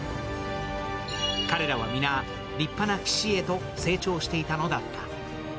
彼らは皆、立派な騎士へと成長していたのだった。